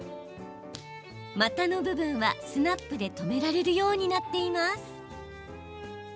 股の部分は、スナップで留められるようになっています。